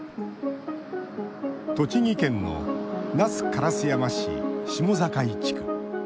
栃木県の那須烏山市下境地区。